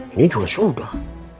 ini dua surat